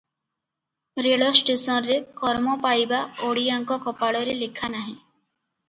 ରେଳଷ୍ଟେସନରେ କର୍ମ ପାଇବା ଓଡ଼ିଆଙ୍କ କପାଳରେ ଲେଖା ନାହିଁ ।